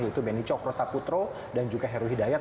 yaitu beni cokro saputro dan juga heru hidayat